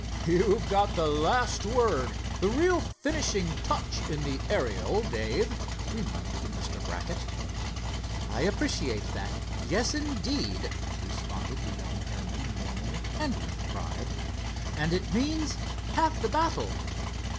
"You've got the last word, the real finishing touch in the Ariel, Dave," reminded Mr. Brackett. "I appreciate that, yes, indeed," responded the young airman warmly, and with pride. "And it means half the battle."